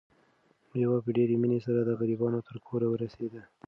مېوه په ډېرې مینې سره د غریبانو تر کوره ورسېده.